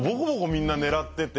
みんな狙ってて。